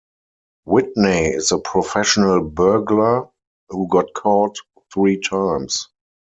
Whitney is a professional burglar who got caught three times.